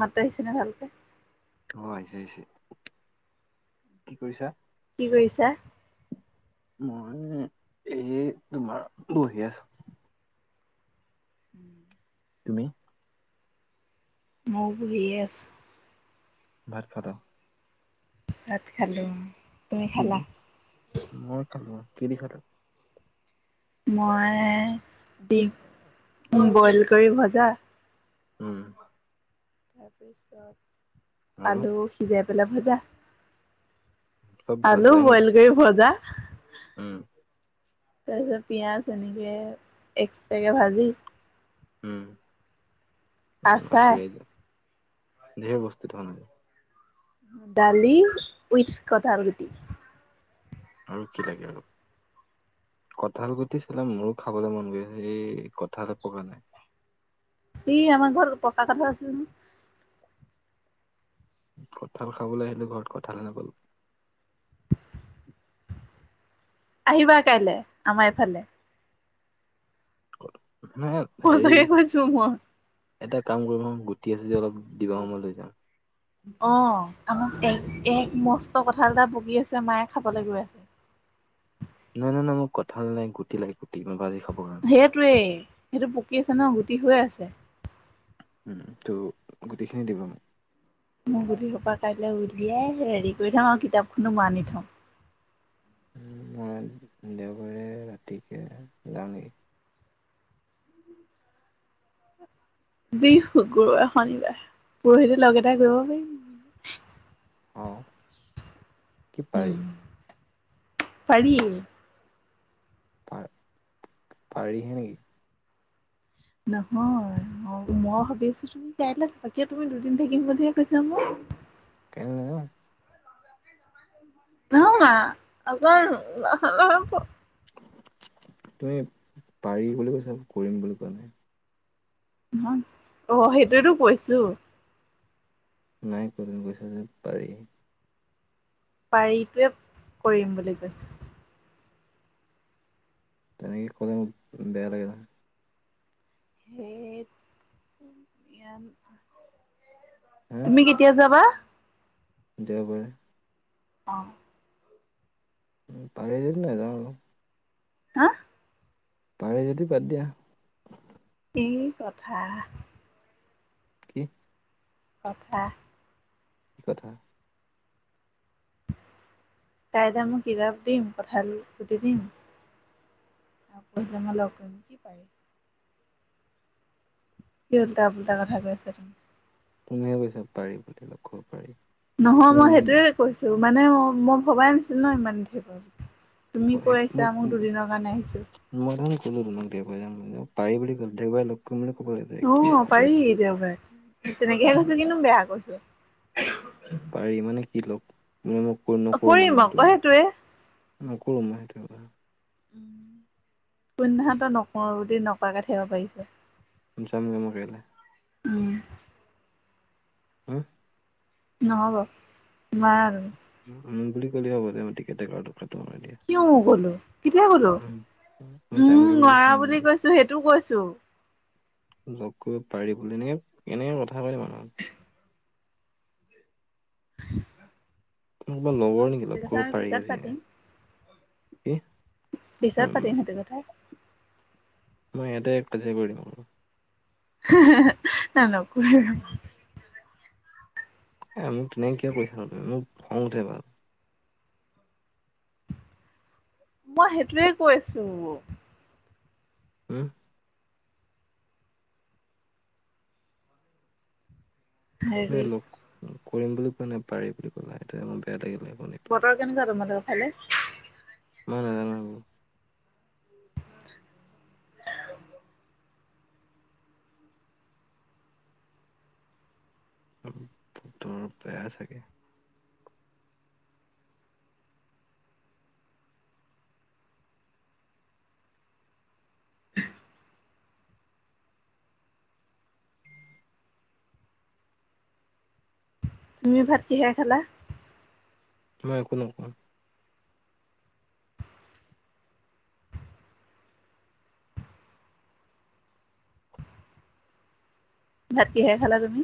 মাত আহিছিনে ভালকে? অ আহিছে আহিছে, কি কৰিছা? কি কৰিছা? মই এই তোমাৰ বহি আছো। উম। তুমি? মই বহী আছো। ভাত খালা? ভাত খালোঁ। তুমি কি খালা? দি, মই খালো। কি দি খালা? মই দিম বইল কৰি ভজা উম। তাৰপিছত আৰু আলু সিজাই পেলাই ভজা। চব আলু ভজাই নি বইল কৰি ভজা। উম। তাৰপিছত পিঁয়াজ এনেকে এক্সট্ৰাকে ভাজি উম, আচাৰ, বাপৰে ঢেৰ বস্তু তাৰমানে আজি। দালি উইটছ কঠাল গুটি। আৰু কি লাগে আৰু। কঁঠাল গুটি চালে মোৰো খাবলৈ মন গৈ আছে, এই কঁঠালে পকা নাই। ই আমাৰ ঘৰত পকা কঠাল আছিল নহয়। কঁঠাল খাবলৈ আহিলো ঘৰত কঁঠালে নাপালো। আহিবা কাইলে আমাৰ এইফালে। [unintelligible] সচাকে কৈছো মই। এটা কাম কৰিবচোন গুটি আছে যদি অলপ দিবাচোন মই লৈ যাম। অ আমাক এক এক মস্ত কঁঠাল এটা পকী আছে মায়ে খাবলৈ গৈ আছে। নাই নাই নাই মই কঁঠাল নাই গুটি লগে গুটি মই ভাজি খাব কাৰণে। এইটোৱেই, সেইটো পকি আছে ন গুটি হৈ আছে। উম ত' গুটিখিনি দিবা মোক। মই গুটি হোপা কাইলে উলিয়াই ৰেডি কৰি থম আৰু কিতাপখনো মই আনি থম। মই দেওবাৰে ৰাতিকে যাম নেকি? যি শুকুৰবাৰ শনিবাৰ পৰহিলে লগ এটাই কৰিব পাৰিম। অঁ। কি পাৰি উম, পাৰি। পা পাৰিহে নেকি? নহয়, অ মই ভাবি আছো তুমি কাইলে কিয় তুমি দুদিন থাকিম বুলিহে কৈছিলা মোক। কাইলে নাযাওঁ। অ মা [unintelligible] তুমি পাৰি বুলি কৈছা যে, কৰিম বুলি কোৱা নাই। [unintelligible] অঁ সেইটোয়েটো কৈছো। নাই তুমি কৈছা যে পাৰি। পাৰিটোৱে কৰিম বুলি কৈছো। তেনেকে ক'লে মোক বেয়া লাগে নহয়। সেইত হা [unintelligible] তুমি কেতিয়া যাবা? দেওবাৰে। অঁ। পাহৰি নাযাওঁ আৰু। হা। পাহৰি যদি বাদ দিয়া। ই কথা। কি কথা। কি কথা। তাইযে মোক কিতাপ দিম কঁঠাল [inaudible] আকৈ লগ কৰিম কি পাৰি। কি উল্টা পুলটা কথা কৈ আছা তুমি। তুমিহে কৈছা পাৰি বুলি পাৰি। কি নহয় মই উম, সেইটোৱে কৈছো মানে মই ভবাই নাছিলো ন ইমান তুমি কৈ আহিছা মোক দুদিনৰ কাৰণে আহিছো [unintelligible] অ পাৰি [unintelligible] দেওবাৰে। তেনেকেহে কৈছো কিনো বেয়া কৈছো। পাৰি মানে কি লগ কৰিম আকৌ সেইটোৱে নোকোৱা মানে সেইটো কথা। উম, নকৰো দে নকৰাকে থাকিব পাৰিছে। [unintelligible] উম। [unintelligible] নহ'ব নোৱাৰো। নোৱাৰো বুলি কলে হ'ব দিয়া। কি উম কলো, কেতিয়া কলো, উম মই উম যামগে কৈছো নোৱাৰা উম বুলি কৈছো সেইটো কৈছো। লগ কৰিব পাৰি বুলি‌, এনেকে এনেকে কথা কয়- মানুহ [unintelligible] কোনোবা লগৰ নেকি সেইটো লগ কথা কৰিব আমি পাৰি পিছত আজি, পাতিম কি। পিছত উম পাতিম সেইটো কথা। [unintelligible] [unintelligible] আৰু মোক তেনেকে কিয় কৰিছানো তুমি মোক, খং উঠে বোলো। মই সেইটোয়ে কৈছোঁ। হম। হেৰি লগ কৰিম বুলি কোৱা নাই পাৰি বুলি ক'লা সেইটোৱে মোৰ বেয়া লাগিলে পেলাই বতৰ কেনেকুৱা তোমালোকৰ ফালে? ময় নাজানো। [unintelligible] তোৰ বেয়া চাগে। তুমি ভাত কিহে খালা? মই একো নকং। ভাত কিহে খালা তুমি?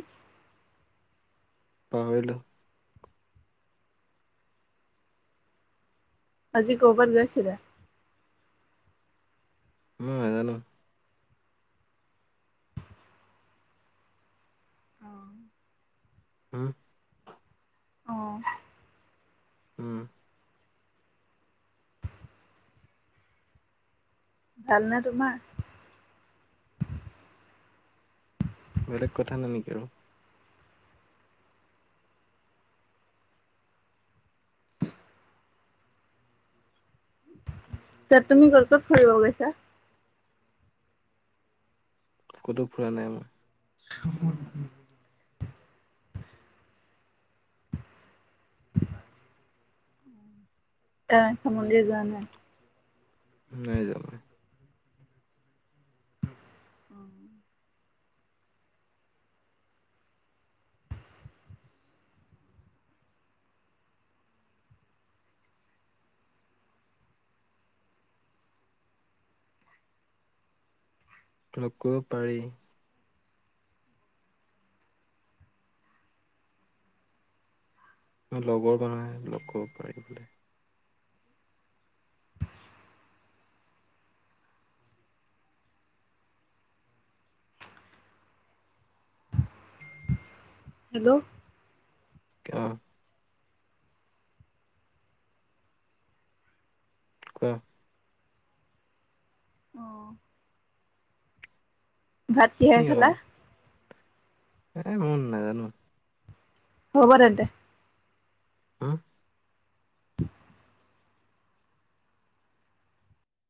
পাহৈলো। আজি কওবাত গৈছিলা? উম নেজানো। উম। অ উম। ভালনে তোমাৰ? বেলেগ কথা নাই নেকি আৰু? ছে তুমি ক'ত ক'ত ফুৰিব গৈছা? ক'তো ফুৰা নাই মই। [unintelligible] কামাখ্যা মন্দিৰ যোৱা নাই? নাই যোৱা মই। উম। লগ কৰিব পাৰি। [inaudible] লগ কৰিব পাৰি বোলে। হেল্ল কি অ কোৱা? অহ। ভাত কিহেৰে খালা? [inaudible] নেজানো। হ'ব তেন্তে। উম।